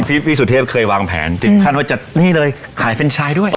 พี่สุเทพเคยวางแผนถึงขั้นว่าจะนี่เลยขายเฟรนชายด้วย